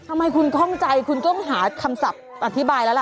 ทำไมคุณคล่องใจคุณต้องหาคำศัพท์อธิบายแล้วล่ะ